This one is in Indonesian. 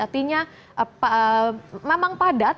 artinya memang padat